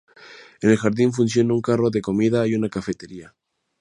En el jardín funciona un carro de comida y una cafetería.